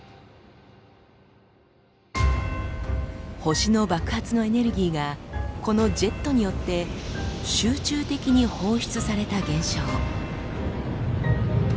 星の爆発のエネルギーがこのジェットによって集中的に放出された現象。